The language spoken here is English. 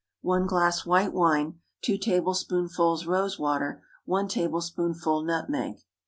1 glass white wine. 2 tablespoonfuls rose water. 1 tablespoonful nutmeg.